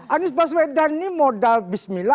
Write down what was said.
anies baswedan ini modal bismillah